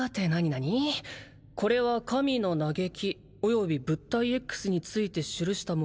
なに「これは神の嘆きおよび物体Ｘについて記したものを」